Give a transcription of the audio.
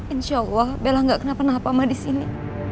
insya allah bella nggak kena penahpama disini